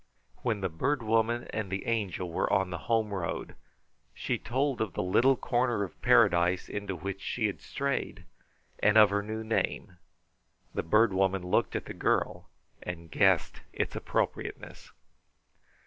When the Bird Woman and the Angel were on the home road, she told of the little corner of paradise into which she had strayed and of her new name. The Bird Woman looked at the girl and guessed its appropriateness.